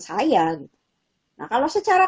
saya nah kalau secara